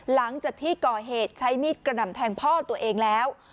หลังจากที่ก่อเหตุใช้มีดกระหน่ำแทงพ่อตัวเองแล้ว